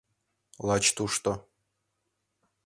Лач тушто.